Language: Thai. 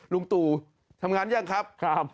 ลุงตูทำงานหรือยังครับครับ